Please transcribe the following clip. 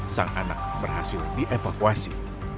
sang anak berhasil dievakuasi